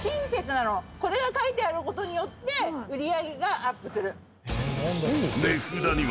これが書いてあることによって売り上げがアップする。